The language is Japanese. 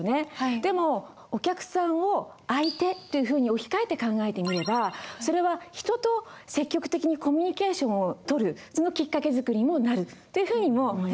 でもお客さんを相手というふうに置き換えて考えてみればそれは人と積極的にコミュニケーションを取るそのきっかけ作りもなるっていうふうにも思います。